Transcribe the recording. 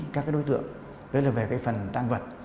các cái đối tượng rất là về cái phần tăng vật